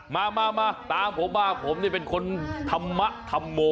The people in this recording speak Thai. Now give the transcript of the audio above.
มาตามผมว่าผมเป็นคนธรรมะธรรโม